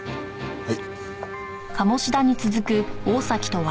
はい。